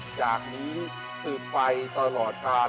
จากนี้สืบไปตลอดกาล